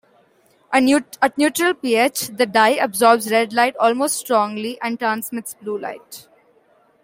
At neutral pH, the dye absorbs red light most strongly and transmits blue light.